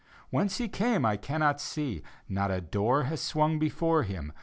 Whence he came I cannot see ; Not a door has swung before him.